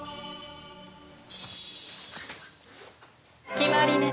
決まりね。